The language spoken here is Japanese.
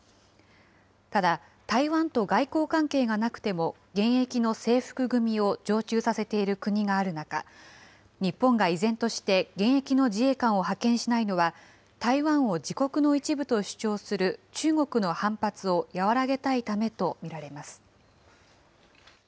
ただ、台湾と外交関係がなくても現役の制服組を常駐させている国がある中、日本が依然として現役の自衛官を派遣しないのは、台湾を自国の一部と主張する中国の反発を和らげたいためと見られます。